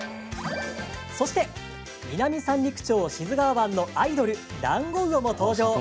そして南三陸町・志津川湾のアイドルダンゴウオも登場。